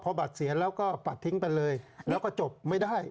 พอบัตรเสียแล้วก็ปัดทิ้งไปเลยแล้วก็จบไม่ได้